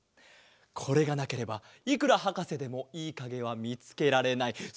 これがなければいくらはかせでもいいかげはみつけられない。